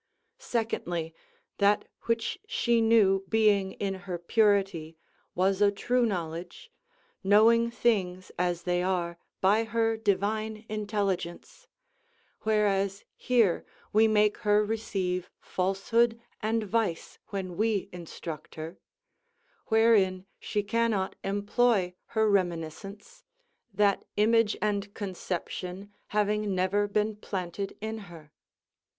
Secondly, that which she knew being in her purity, was a true knowledge, knowing things as they are by her divine intelligence; whereas here we make her receive falsehood and vice when we instruct her; wherein she cannot employ her reminiscence, that image and conception having never been planted in her.